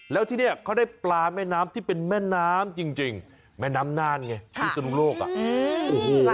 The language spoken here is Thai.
แล้วที่นี่เค้าได้ปลาแม่น้ำที่เป็นแม่น้ำจริงแม่น้ำนานไงที่สนุกโลกอะ